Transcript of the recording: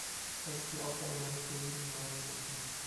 Das ist die Aufgabe meines Kollegen Mario Monti.